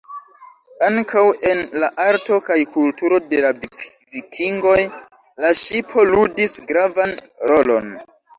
Ankaŭ en la arto kaj kulturo de la Vikingoj la ŝipo ludis gravan rolon.